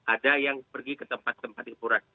ada yang pergi ke tempat tempat hiburan